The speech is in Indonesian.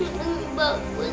jangan sampai bagus